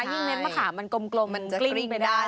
ยิ่งเน้นมะขามมันกลมมันจะกลิ้งไม่ได้